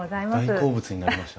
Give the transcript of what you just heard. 大好物になりました。